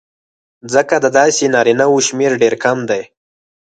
ځکه د داسې نارینهوو شمېر ډېر کم دی